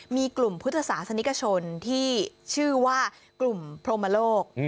มีกลุ่มพุทธศาสนิกชนที่ชื่อว่ากลุ่มพรมโลก